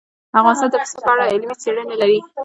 افغانستان د پسه په اړه علمي څېړنې لري.